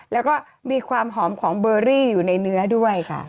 แล้วก็มีความหอมของเบอรี่อยู่ในเนื้อด้วยค่ะ